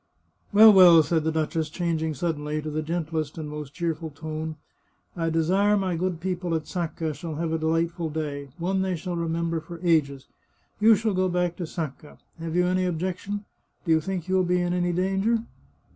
" Well, well," said the duchess, changing suddenly to the gentlest and most cheerful tone, " I desire my good people at Sacca shall have a delightful day — one they shall remember for ages. You shall go back to Sacca. Have you any objection? Do you think you will be in any dan ger?"